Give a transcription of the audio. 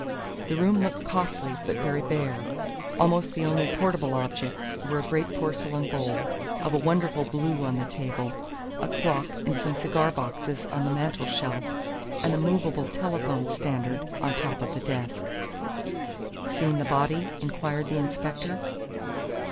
The room looked costly but very bare. Almost the only portable objects were a great porcelain bowl of a wonderful blue on the table, a clock and some cigar boxes on the mantel shelf, and a movable telephone standard on the top of the desk. "Seen the body?" inquired the inspector.